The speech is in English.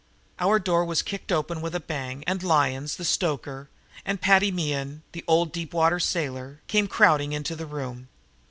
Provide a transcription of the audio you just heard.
Our door was kicked open with a bang and Lyons, the stoker, and Paddy Mehan, the old deep water sailor, came crowding into the room.